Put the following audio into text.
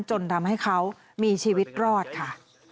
จนทำให้เขามีชีวิตรอดค่ะ